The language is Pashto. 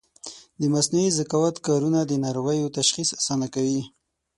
د مصنوعي ذکاوت کارونه د ناروغیو تشخیص اسانه کوي.